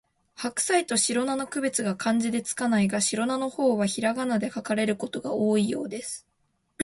ハクサイとシロナの区別が漢字で付かないが、シロナの方はひらがなで書かれることが多いようです